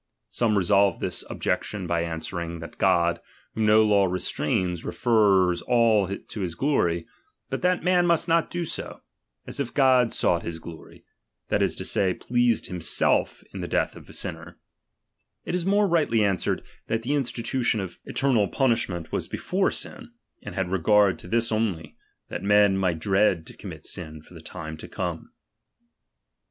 Some resolve this cbjection by answering, that God, whom no law restrains, refers all to his glory, but tliat man must Hot do 80 ; as if God sought his glory, that is to 1 himself in the death of a shmer. It is more rightly answered, that the institution of I law.ftiulpumah mi nl only liHiln CHAP. IV. eternal punishment was before siu, and had regard ■'' to this only, that men might dread to commit sin for the time to come.